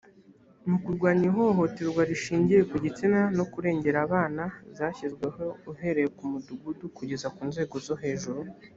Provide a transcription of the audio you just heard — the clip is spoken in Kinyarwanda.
mu kurwanya ihohoterwa rishingiye ku gitsina no kurengera abana, zashyizweho uhereye ku mudugudu kugeza ku nzego zo hejuru